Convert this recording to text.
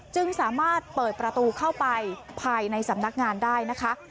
จึงสามารถเปิดประตูเข้าไปภายในสำนักงานได้นะคะ